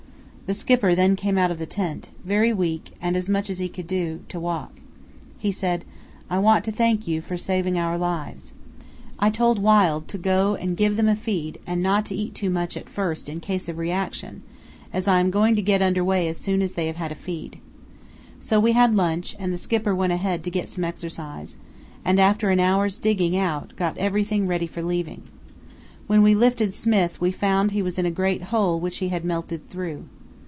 The Skipper then came out of the tent, very weak and as much as he could do to walk. He said, 'I want to thank you for saving our lives.' I told Wild to go and give them a feed and not to eat too much at first in case of reaction, as I am going to get under way as soon as they have had a feed. So we had lunch, and the Skipper went ahead to get some exercise, and after an hour's digging out got everything ready for leaving. When we lifted Smith we found he was in a great hole which he had melted through.